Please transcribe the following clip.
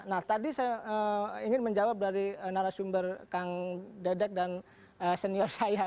nah tadi saya ingin menjawab dari narasumber kang dedek dan senior saya